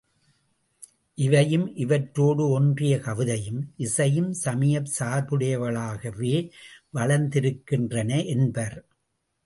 இவையும், இவற்றோடு ஒன்றிய கவிதையும் இசையும் சமயச் சார்புடையவைகளாகவே வளர்ந்திருக்கின்றன என்பர்.